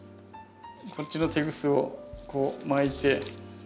こっちのテグスをこう巻いて。